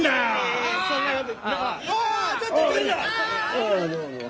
ああどうも。